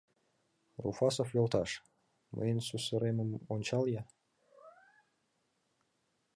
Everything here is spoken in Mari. — Руфасов йолташ, мыйын сусыремым ончал-я...